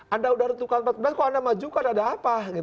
anda udah ditentukan tanggal empat belas kok anda maju kan ada apa